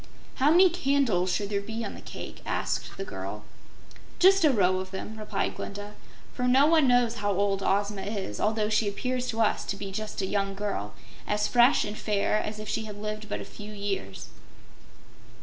"How many candles should there be on the cake?" asked the girl. "Just a row of them," replied Glinda, "for no one knows how old Ozma is, although she appears to us to be just a young girl as fresh and fair as if she had lived but a few years."